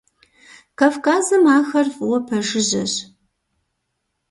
Кавказым ахэр фӏыуэ пэжыжьэщ.